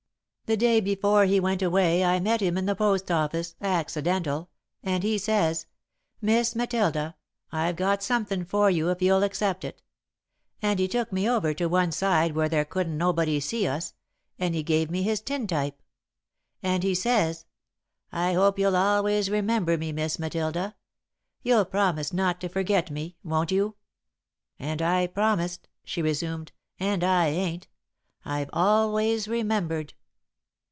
"The day before he went away, I met him in the post office, accidental, and he says: 'Miss Matilda, I've got somethin' for you if you'll accept it,' and he took me over to one side where there couldn't nobody see us, and he give me his tintype. And he says: 'I hope you'll always remember me, Miss Matilda. You'll promise not to forget me, won't you?' "And I promised," she resumed, "and I ain't. I've always remembered."